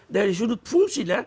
dari sudut fungsi